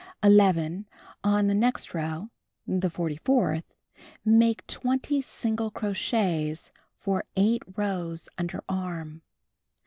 11. On the next row (the forty fourth) make 20 single crochets for 8 rows under arm.